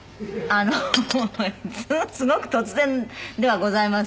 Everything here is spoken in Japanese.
あのすごく突然ではございますが。